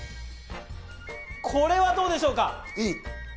これはどうでしょうか？